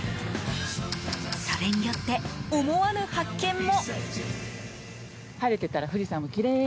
それによって思わぬ発見も。